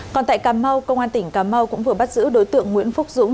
còn tại cà mau công an tỉnh cà mau cũng vừa bắt giữ đối tượng nguyễn phúc dũng